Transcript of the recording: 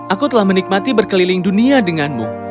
aku telah menikmati berkeliling dunia denganmu